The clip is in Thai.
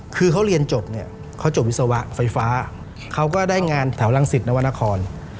คือเขาเรียนจบเนี่ยเขาจบวิศวะไฟฟ้าเขาก็ได้งานแถวรังสิตนวรรณคร